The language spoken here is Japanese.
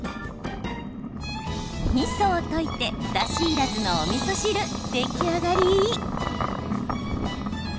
みそを溶いて、だし入らずのおみそ汁、出来上がり。